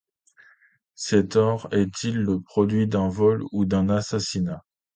Cet or est-il le produit d’un vol ou d’un assassinat ?…